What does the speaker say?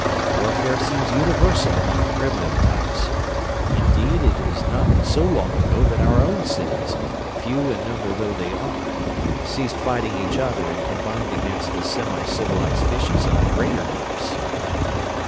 Warfare seems universal among primitive types indeed, it is not so long ago that our own cities, few in number though they are, ceased fighting each other and combined against the semi civilized fishes of the greater deeps."